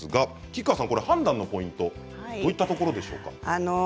吉川さん、判断のポイントどういったところでしょうか。